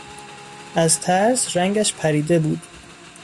از ترس رنگش پریده بود.